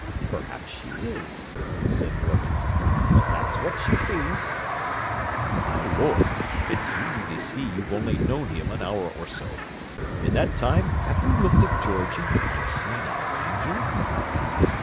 "Perhaps she is," said Morgan. "But that's what she sees." "My Lord! It's easy to see you've only known him an hour or so. In that time have you looked at Georgie and seen an angel?"